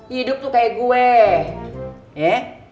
hidup tuh kayak gue ya